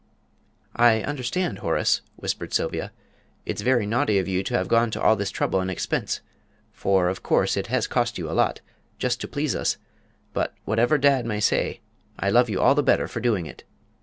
"I understand, Horace," whispered Sylvia, "it's very naughty of you to have gone to all this trouble and expense (for, of course, it has cost you a lot) just to please us; but, whatever, dad may say, I love you all the better for doing it!"